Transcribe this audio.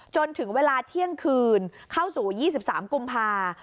จนถึงเวลาเที่ยงคืนเข้าสู่๒๓กุมภา